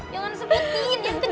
jangan disebutin yang kenceng kenceng